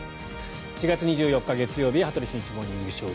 ４月２４日、月曜日「羽鳥慎一モーニングショー」。